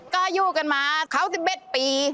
ก็อยู่กันมาคราวสิบเบ็ดปี